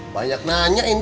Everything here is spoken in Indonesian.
banyak nanya ini